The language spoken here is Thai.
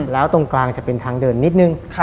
แล้วตรงกลางจะเป็นทางเดินนิดนึง